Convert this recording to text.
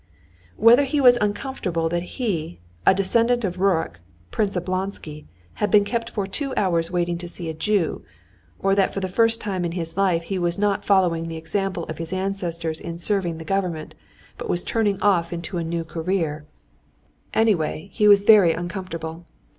Whether he was uncomfortable that he, a descendant of Rurik, Prince Oblonsky, had been kept for two hours waiting to see a Jew, or that for the first time in his life he was not following the example of his ancestors in serving the government, but was turning off into a new career, anyway he was very uncomfortable.